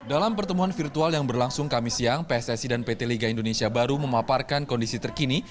dalam pertemuan virtual yang berlangsung kami siang pssi dan pt liga indonesia baru memaparkan kondisi terkini